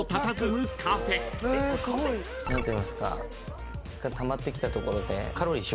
何といいますかたまってきたところで。